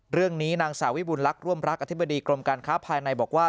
นางสาวิบุญลักษ์ร่วมรักอธิบดีกรมการค้าภายในบอกว่า